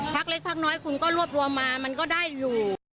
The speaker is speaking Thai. พักเล็กพักน้อยคุณก็รวบรวมมามันก็ได้อยู่